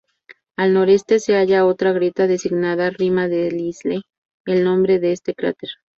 Al noreste se halla otra grieta designada Rima Delisle, el nombre de este cráter.